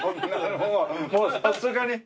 もうさすがに。